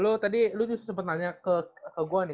lu tadi sempat nanya ke gua nih